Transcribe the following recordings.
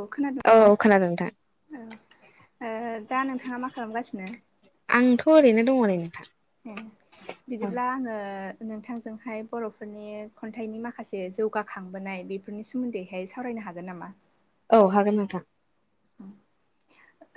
औ खोनादों। खोनादों नोंथां ओ ओ दा नोंथाङा मा खालामगासिनो? आंथ' ओरैनो दङ नै नोंथां। ए औ बिदिब्ला आङो नोंथांजोंहाय बर'फोरनि खन्थाइनि माखासे जौगाखांबोनाय बेफोरनि सोमोन्दै हाय सावरायनो हागोन नामा? औ हागोन नोंथां।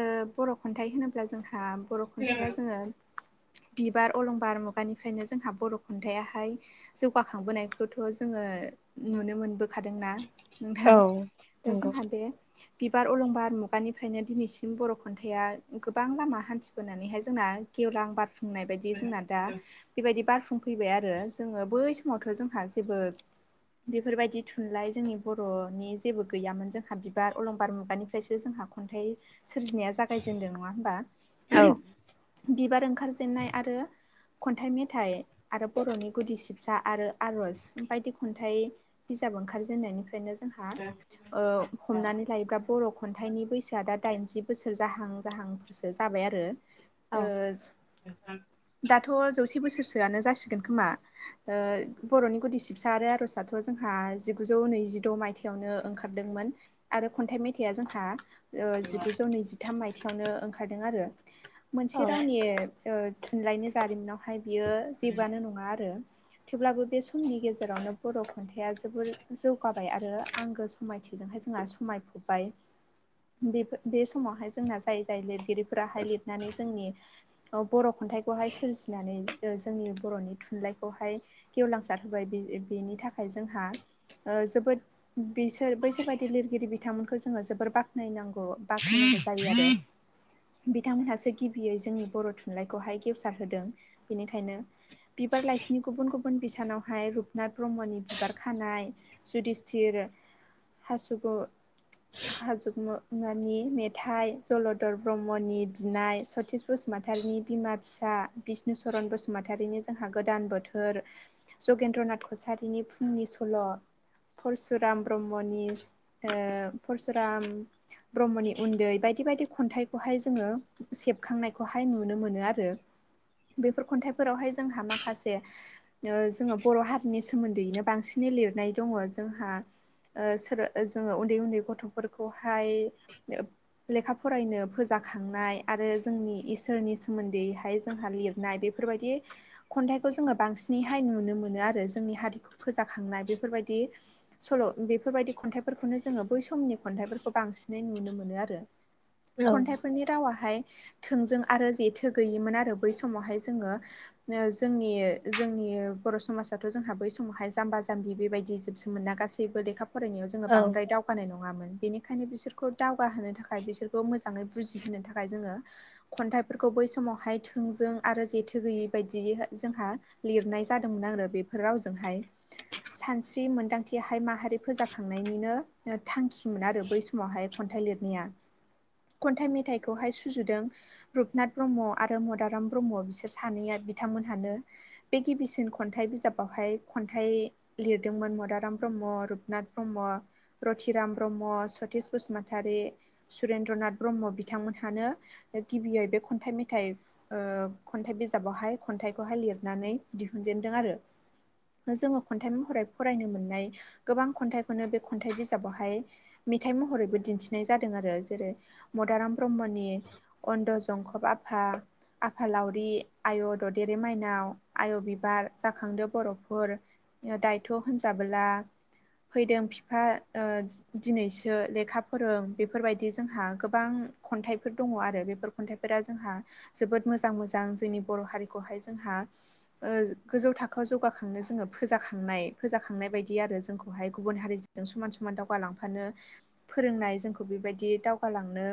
ओ बर' खन्थाइ होनोब्ला जोंहा बर' खन्थाइया जोङो बिबार अलंबार मुगानिफ्रायनो जोंहा बर' खन्थाइयाहाय जौगाखांबोनायखौथ' जोङो नुनो मोनबो खादोंना नोंथां औ दा नंगौ जोंहा बे बिबा अलंबार मुगानिफ्रायनो दिनैसिम बर' खन्थाइआ गोबां लामा हान्थिबोनानैहाय जोंना गेवलां बार नायबायदि जोंना दा बेबायदि बारफुंफैबाय आरो जोङो बै समावथ' जोंहा जेबो बेफोरबायदि थुनलाइ जोंनि बर'नि जेबो गैयामोन जोंहा बिबार अलंबार मुग गानिफ्रायसो जोंहा खन्थाइ सोरजिनाया जागायजेदों नङा होमबा? औ बिबार ओंखारजेननाय आरो खन्थाइ मेथाइ आरो बर'नि गुदि सिबसा आरो आर'ज बायदि खन्थाइ बिजाब ओंखारजेननायनिफ्रायनो जोंहा हा ओ हमनानै लायोबा बर' खन्थाइनि बैसोआ दा दाइनजि बोसोर जाहां जाहांफोरसो जाबाय आरो औ ओ दाथ' जौसे बोसोरसोआनो जासिगोन खोमा। ओ बर'नि गुदि सिबसा आरो आर'ज आथ' जोंहा जिगुजौ नैजिद' मायथाइयावनो ओंखारदोंमोन। आरो खन्थाइ मेथाइआ जोंहा ओ जिगुजौ नैजिथाम मायथाइयावनो ओंखारदों आरो। मोनसे रावनि ओ थुनलाइनि जारिमिनावहाय बियो जेबोआनो नङा आरो। थेवब्लाबो बे समनि गेजेरावनो बर' खन्थाइया जोबोर जौगाबाय आरो आंगो समायथिजोंहाय जोंहा समायफब बाय बेफ बे समावहाय जोंना जाय जाय लिरगिरि फोराहाय लिरनानै जोंनि बर' खन्थाइखौहाय सोरजिनानै ओ जोंनि बर'नि थुनलाइखौहाय गेवलांसार होबाय बे-बेनि थाखाय जोंहा ओ जोबोद बिसोर बैसोरबायदि लिरगिरि बिथांमोन खौ जोङो जोबोर बाख्नायनांग' बाख्नायनांगौ जायो आरो। बिथांमोनहासो गिबियै जोंनि बर' थुनलाइखौहाय गेवसार होदों बेनिखायनो बिबार लाइसिनि गुबुन गुबुन बिसानावहाय रुपनाथ ब्रह्मनि बिबार खानाय जुदिस्थिर हासुगु [unintelligible] मेथाइ, जलधर ब्रह्मनि बिनाय, सतीस बसुमतारिनि बिमा फिसा, बिष्णुचरन बसुमतारिनि जोंहा गोदान बोथोर जगेन्द्रनाथ कसारिनि फुंनि सल' परसुराम ब्रह्मनि ओ परसुराम ब्रह्मनि उन्दै बायदि बायदि खन्थाइखौहाय जोङो सेबखांनायखौहाय नुनो मोनो आरो। बेफोर खन्थाइफोरावहाय जोंहा माखासे ओ जोङो बर' हारिनि सो सोमोन्दैनो बांसिनै लिरनाय दङ जोंहा ओ सोर जोङो उन्दै उन्दै गथ थ'फोरखौहाय लेखा फरायनो फोजाखांनाय आरो जोंनि इसोरनि सोमोन्दैहाय जोंहा लिरनाय बे फोरबायदि खन्थाइखौ जोङो बांसिनैहाय नुनो मोनो आरो जोंनि हारिखौ फोजाखांनाय बेफोरबायदि सल' बेफोरबायदि खन्थाइफोरखौनो जोङो बै स समनि खन्थाइफोरखौ बांसिनै नुनो मोनो आरो खन्थाइफोरनि रावाहाय थोंजों आरो जेथो गैयोमोन आरो बै समावहाय जोङो ओ जोंनि जोंनि बर' समाजाथ' जोंहा बै समावहाय जाम्बा जाम्बि बेबायदि जोबसो मोन ना गासि जेबो लेखाफरायनायाव जोङो औ बांद्राय दाव गानाय नङामोन। बेनिखायनो बिसोरखौ दावगाहोनो थाखाय बिसोरखौ मोजाङै बुजिहोनो थाखाय जोङो खन्थाइफोरखौ बै समावहाय थोंजों आरो जेथो गैयै बायदियै जोंहा लिरनाय जादोंमोन आरो बेफोर रावजोंहाय। सानस्रि मोनदांथि हाय माहारि फोजाखांनायनिनो थांखिमोन आरो बै समावहाय खन्थाइ लिरनाया खन्थाइ मेथाइखौहाय सुजुदों रुपनाथ ब्रह्म आरो मदाराम ब्रह्म बिसोर सानैया बिथांमोनहानो बे गिबिसिन खन्थाइ बिजाबावहाय खन्थाइ लिरदोंमोन मदाराम ब्रह्म, रुपनाथ ब्रह्म, रतिराम ब्रह्म, सतिश बसुमतारी, सुरेन्द्र नाथ ब्रह्म बिथांमोनहानो गिबियै बे खन्थाइ मेथाइ ओ खन्थाइ बिजाबावहाय खन्थाइखौहाय लिरनानै दिहुनजेनदों आरो। जोङो खन्थाइ महरै फरायनो मोननाय गोबां खन्थाइखौनो बे खन्थाइ बिजाबावहाय मेथाइ महरैबो दिन्थिनाय जादों आरो जेरै मदाराम ब्रह्मनि अन्द' जंखब आफा आफालावरि, आय' ददेरे माइनाव, आय' बिबार, जाखांदो बर'फोर दायथ' होनजाबोला फैदों बिफा ओ दिनैसो लेखा फोरों बेफोरबायदि जोंहा गोबां खन्थाइफोर दङ आरो। बेफोर खन्थाइफोरा जोंहा जोबोद मोजां मोजां जोंनि बर' हारिखौहाय जोंहा। ओ गोजौ थाखोआव जौगाखांनो जोंङो फोजाखांनाय फोजाखांनाय बायदि आरो जोंखौहाय गुबुन हारिजो जों समान समान दावगालांफानो फोरोंनाय जोंखौ बेबायदि दावगालांनो।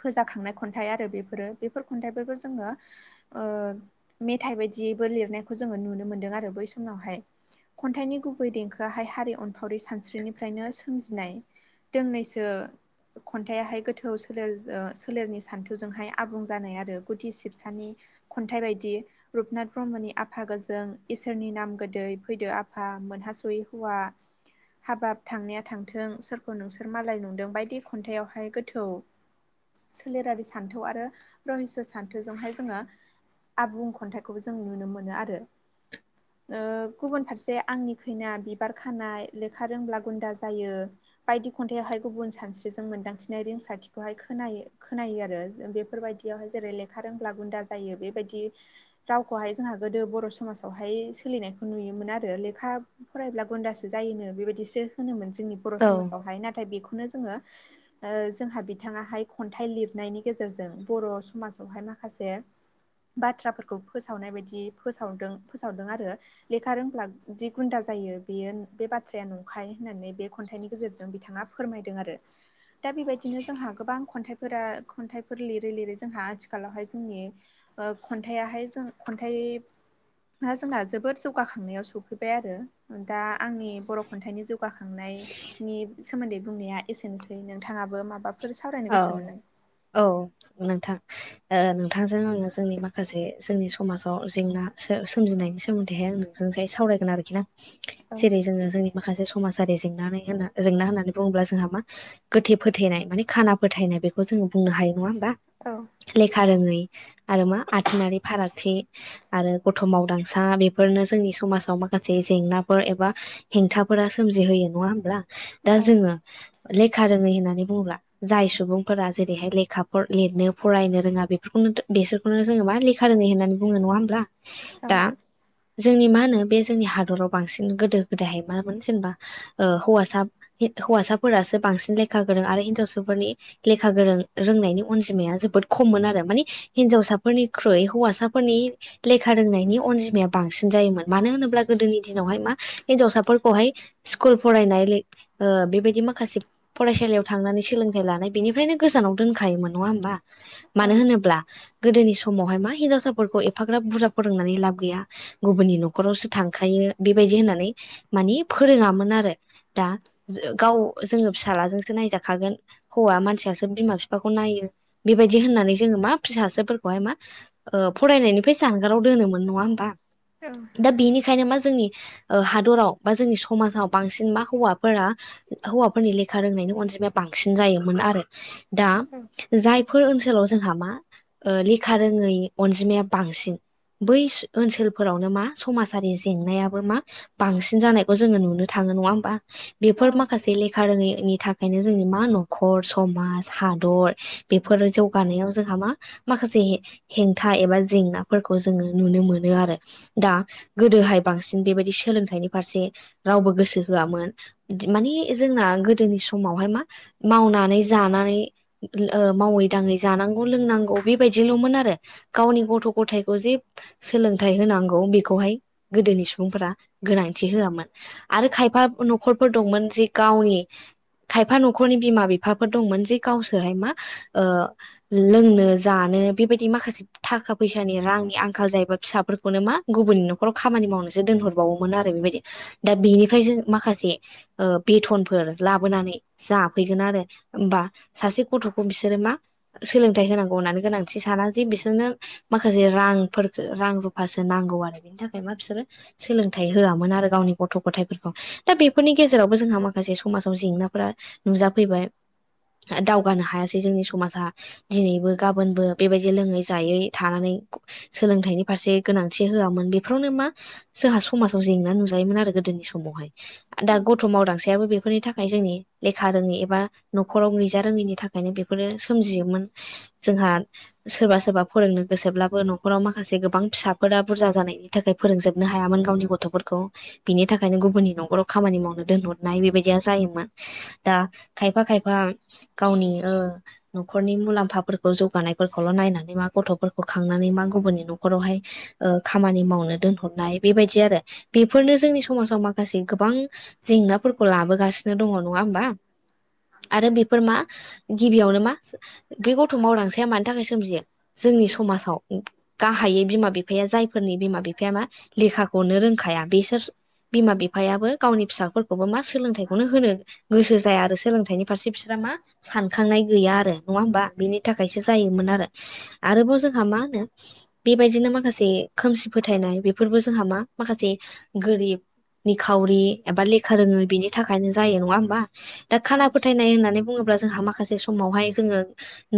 फोजाखांनाय खन्थाइ आरो बेफोरो बेफोर खन्थाइफोरखौ जोंङो। ओ मेथाइ बायदियैबो लिरनायखौ जोंङो नुनो मोनदों आरो बै समावहाय। खन्थाइनि गुबै देंखोआहाय हारि अनफावरि सानस्रिनिफ्रायनो सोमजिनाय। दोंनैसो खन्थाइयाहाय गोथौ सोलेर सोलेरनि सान्थौजोंहाय आबुं जानाय आरो गुदि सिबसानि। खन्थाइ बायदि। रुपनाथ ब्रह्मनि आफा गोजों, इसोरनि नाम गोदै, फैदो आफा मोनहास'यै हौवा हाबाब थांनाया थांथों सोरखौ नोंसोर मालाय नंदों बायदि खन्थायावहाय गोथौ सोलेरारि सान्थौ आरो रहिस' सान्थौजोंहाय जोंङो। आबुं खन्थाइखौबो जों नुनो मोनो आरो। गुबुन फारसे आंनि खैना, बिबार खानाय, लेखा रोंब्ला गुन्दा जायो बायदि खन्थायाहाय गुबुन सानस्रिजों मोन्दांथिनाय रिंसारथिखौहाय खोनायो। खोनायो आरो बेफोरबायदियावहाय जेरै लेखा रोंब्ला गुन्दा जायो बेबायदि। रावखौहाय जोंहा गोदो बर' समाजावहाय सोलिनायखौ नुयोमोन आरो। लेखा फरायब्ला गुन्दासो जायोनो बेबायदिसो होनोमोन जोंनि बर' समाजावहाय। नाथाय बेखौनो जोंङो [inaudible] जोंहा बिथाङाहाय खन्थाइ लिरनायनि गेजेरजों बर' समाजावहाय माखासे बाथ्राफोरखौ फोसावनाय बायदि फोसावदों फोसावदों आरो। लेखा रोंब्ला जि गुन्दा जायो बेयो बे बाथ्राया नंखाय। होननानै बे खन्थाइनि गेजेरजों बिथांङा फोरमायदों आरो। दा बेबायदिनो जोंहा गोबां खन्थाइ फोर खन्थाइफोर लिरै लिरै जोंहा आथिखालावहाय जोंनि। खन्थायाहाय जों खन्थाइ दा जोंना जोबोद जौगाखांनायाव सफैबाय आरो। दा आंनि बर' खन्थाइनि जौ जौगाखांनायनि सोमोन्दै बुंनाया एसेनोसै। नोंथांङाबो माबाफोर सावरायनो गोसो मोन नों औ नोंथां ओ नोंथांजों आंङो जोंनि माखासे जोंनि समाजाव जेंना सो-सोमजिनायनि सोमोन्दैहाय आं। जों सावरायगोन आरोखि ना औ जेरै जोंङो जोंनि। माखासे समाजारि जेंना जेंना होननानै बुङोब्ला जोंहा मा गोथे फोथायनाय माने। खाना फोथायनाय बेखौ जोंङो बुंनो हायो नङा होमबा। औ। लेखा रोङै आरो मा आथोनारि फारागथि। आरो गथ' मावदांसा बेफोरनो जोंनि समाजाव माखासे जेंनाफोर एबा। हेंथाफोरा सोमजिहोयो नङा होमब्ला दा औ जोंङो लेखा रोङै होननानै बुङोब्ला। जाय सुबुंफोरा जेरैहाय लेखाफोर लिरनो फरायनो रोंङा बेफोरखौनो बेसोर। बेखौनो जोंङो मा लेखा रोंङै होननानै बुंङो नङा होमब्ला औ दा। जोंनि मा होनो बे जोंनि हादराव बांसिन गोदो गोदायहाय मामोन जेनेबा। ओ हौवासा हौवासाफोरासो बांसिन लेखा गोरों आरो हिनजाव। गथ फोरनि लेखा गोरों रोंनायनि अनजिमाया जोबोद खममोन आरो मानि। हिनजावसाफोरनिख्रुइ हौवासाफोरनि। लेखा रोंनायनि अनजिमाया बांसिन जायोमोन मानो होनोब्ला गोदोनि दिनावहाय मा हिनजावसाफोरखौहाय। स्कुल फरायनाय ले ओ बेबायदि माखासे फरायसालियाव थांनानै सोलों लानाय बेनिफ्रायनो गोजानाव दोनखायोमोन नङा होमबा औ मानो होनोब्ला। गोदोनि समावहाय मा हिनजावसाफोरखौ एफाग्राब बुरजा फोरोंनानै लाब गैया। गुबुननि न'खरावसो थांखायो बेबायदि होननानै मानि फोरोंङामोन आरो। दा गाव जोङो फिसाज्लाजोंसो नायजाखागोन हौवा मानसियासो बिमा बिफाखौ नायो बेबायदि होननानै जोङो मा फिसाजोफोरखौहाय मा ओ फरायनायनिफ्राय जानगाराव दोनोमोन नङा होमबा औ दा बेनिखायनो मा जोंनि ओ हादराव बा जोंनि समाजाव बांसिन मा हौवाफोरा हौवाफोरनि लेखा रोंनायनि अनजिमाया बांसिन जायोमोन आरो दा औ जाय फोर ओनसोलाव जोंहा मा ओ लेखा रोङै अनजिमाया बांसिन बै ओनसोलफोरावनो मा समाजारि जेंनायाबो मा बांसिन जानायखौ जोङो नुनो थाङो नङा होमबा बेफोर औ माखासे लेखा रोङैनि थाखायनो जोंनि मा मा न'खर समाज हादर बेफोर जौगानायाव जोंहा मा माखासे हेंथा एबा जेंनाफोरखौ जोङो नुनो मोनो आरो दा गोदोहाय बांसिन बेबादि सोलोंथाइनि फारसे रावबो गोसो होआमोन माने जोंना गोदोनि समावहाय मा मावनानै जानानै ओ मावै दाङै जानांगौ लोंनांगौ बेबायदिल'मोन आरो गावनि गथ' गथायखौ जे सोलोंथाइ होनांगौ बेखौहाय गोदोनि सुबुंफोरा गोनांथि होआमोन आरो खायफा न'खरफोर दंमोन जि गावनि खायफा नख न'खरनि बिमा बिफाफोर दंमोन जे गावसोरहाय मा लोंनो जानो बेबायदि माखासे थाखा फैसानि रांनि आंखाल जायोबा फिसाफोरखौनो मा गुबुननि न'खराव खामानि मावनो दोनहरबावोमोन आरो बेबायदि दा बेनिफ्राय जों माखासे ओ बेथनफोर लाबोनानै जाफैगोन आरो होमबा सासे गथ'खौ बिसोरो मा सोलोंथाइ होनांगौ होननानै गोनांथि साना जे बिसोरनो माखासे रांफोर रां रुफासो नांगौ आरो बिनि थाखाय मा बिसोरो सोलोंथाइ होआमोन आरो गावनि गथ' गथाइफोरखौ दा बेफोरनि गेजेरावबो जोंहा माखासे समाजाव जेंनाफोरा नुजाफैबाय दावगानो हायासै जोंनि समाजा दिनैबो गाबोनबो बेबादि लोङै जायै थानानै सोलोंथाइनि फारसे गोनांथि होआमोन बेफोरावनो मा जोंहा समाजाव जेंना नुजायोमोन आरो गोदोनि समावहाय। दा औ गथ' मावदांसायाबो बेफोरनि थाखाय जोंनि लेखा रोङै एबा न'खराव गैजा रोङैनि थाखायनो बेफोरो सोमजियोमोन जोंहा सोरबा सोरबा फोरोंनो गोसोब्लाबो न'खराव माखासे गोबां फिसाफोरा बुरजा जानाय थाखाय फोरोंजोबनो हायामोन गावनि गथ'फोरखौ बिनि थाखायनो गुबुननि न'खराव खामानि मावनो दोनहरनाय बेबायदिया जायोमोन। दा खायफा खायफा गावनि ओ न'खरनि मुलाम्फाफोरखौ जौगानायफोरखौल' नायनानै मा गथ'फोरखौ खांनानै मा गुबुननि न'खरावहाय ओ खामानि मावनो दोनहरनाय बेबायदि आरो बेफोरनो जोंनि समाजाव माखासे गोबां जेंनाफोरखौ लाबो गासिनो दङ नङा ओनबा आरो बेफोर मा गिबियावनो मा बे गथ' मावदांसाया मानि थाखाय सोमजियो जोंनि समाजाव गाहायै बिमा बिफाया जायफोरनि बिमा बिफाया मा लेखाखौनो रोंखाया बिसोर बिमा बिफायाबो गावनि फिसाफोरखौबो मा सोलोंथाइखौनो होनो गोसो जाया आरो सोलोंथाइनि फारसे बिसोरा मा सानखांनाय गैया आरो नङा होमबा बिनि थाखायसो जायोमोन आरो। आरोबाव जोंहा मा होनो बेबायदिनो माखासे खोमसि फोथायनाय बेफोरबो जोंहा मा माखासे गोरिब निखावरि एबा लेखा रोङै बिनि थाखायनो जायो नङा दा औ खाना फोथायनाय होननानै बुङोब्ला जोंहा माखासे समावहाय जोङो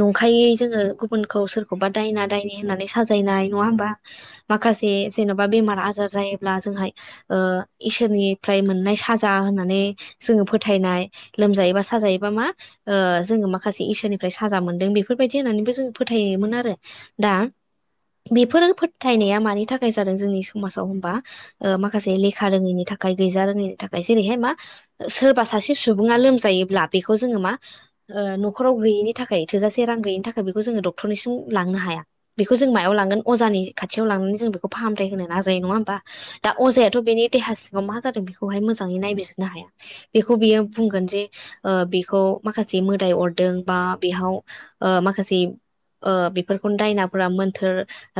नंखायै जोङो गुबुनखौ सोरखौबा दायना दायनि होननानै साजायनाय नङा होमबा? माखासे जेन'बा बेमार आजार जायोब्ला जोंहाय ओ इसोरनिफ्राय मोननाय साजा होननानै जोङो फो थायनाय लोमजायोबा साजायोबा मा ओ जोङो माखासे इसोरनिफ्राय साजा मोनदों बेफोरबायदि होननानैबो जों फोथायोमोन आरो। दा बेफोरो फोथायनाया मानि थाखाय जादों जोंनि समाजाव होनबा ओ माखासे लेखा रोङैनि थाखाय गैजा रोङैनि थाखाय बैहाय मा सो सोरबा सासे सुबुङा लोमजायोब्ला बेखौ जोङो मा ओ न'खराव गैयिनि थाखाय थोजासे रां गैयिनि थाखाय बेखौ जोङो डक्टरनिसिम लांनो हाया। बेखौ जों मायाव लांगोन अजानि खाथियाव लांनानै जों बेखौ फाहामथाय होनो नाजायो नङा होनबा? दा अजायाथ' बेनि देहा सिङाव मा जादों बेखौहाय मोजाङै नायबिजिरनो हाया। बेखौ बियो बुंगोन जे ओ बेखौ माखासे मोदाय अरदों बा बेहाव ओ माखासे ओ बेफोरखौनो दायनाफोरा मोन्थोर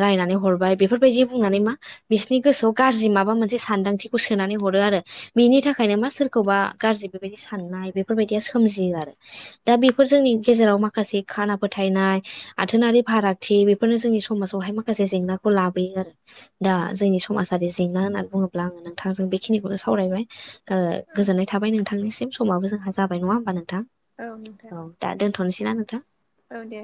रायनानै हरबाय बेफोरबायदि बुंनानै मा बिसिनि गोसोआव गाज्रि माबा मोनसे सानदांथिखौ सोनानै हरो आरो बेनि थाखायनो मा सोरखौबा गाज्रि बेबायदि साननाय बेफोरबायदिया सोमजियो आरो। दा बेफोर जोंनि गेजेराव माखासे खाना फोथायनाय आथोनारि फारागथि बेफोरनो जोंनि समाजावहाय माखासे जेंनाखौ लाबोयो आरो। दा जोंनि समाजारि जेंना होनना बुङोब्ला आङो नोंथांजों बेखिनिखौनो सावरायबाय ओ गोजोननाय थाबाय नोंथांनिसिम समाबो जोंहा जाबाय नङा ओमबा नोंथां? औ नोंथां औ दा दोनथ'नोसै ना नोंथां? औ दे